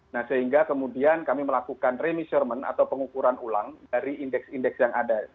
nah sehingga kemudian kami melakukan remisurement atau pengukuran ulang dari indeks indeks yang ada